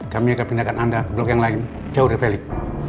kami akan pindahkan anda ke blok yang lain jauh lebih pelik